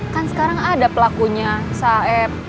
kan sekarang ada pelakunya saf